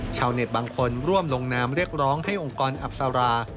ชาวเน็ตบางคนร่วมลงนามเรียกร้องให้องค์กรอับสารา